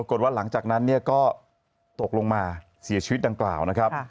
ปรากฏว่าหลังจากนั้นก็ตกลงมาเสียชีวิตดังกล่าวนะครับ